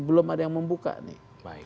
belum ada yang membuka nih